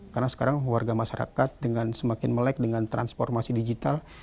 karena sekarang warga masyarakat dengan semakin melek dengan transformasi digital